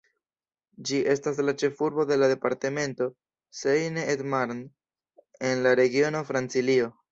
Ĝi estas la ĉefurbo de la departemento Seine-et-Marne, en la regiono Francilio.